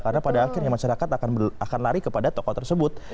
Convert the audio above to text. karena pada akhirnya masyarakat akan lari kepada tokoh tersebut